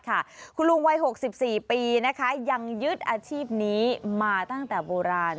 คุณลุงวัย๖๔ปียังยึดอาชีพนี้มาตั้งแต่โบราณ